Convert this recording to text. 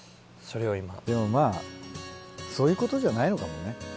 でもまぁそういうことじゃないのかもね。